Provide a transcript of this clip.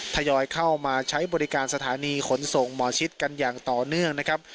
ทยอยเข้ามาใช้บริการสถานีขนส่งหมอชิดกันอย่างต่อเนื่องนะครับ